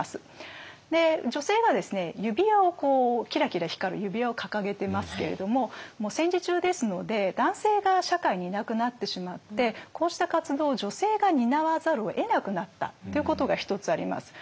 女性がですね指輪をキラキラ光る指輪を掲げてますけれども戦時中ですので男性が社会にいなくなってしまってこうした活動を女性が担わざるをえなくなったということが一つあります。